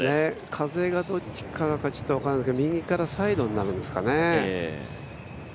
風がどっちからか分からないですけれども、右からサイドになるんですかね。